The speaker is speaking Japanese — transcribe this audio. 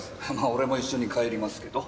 俺も一緒に帰りますけど。